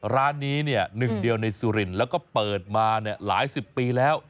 ร้านนี้เนี่ยหนึ่งเดียวในสุรินทร์แล้วก็เปิดมาหลายสิบปีแล้ว